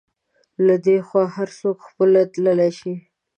له دې خوا هر څوک خپله تللی شي.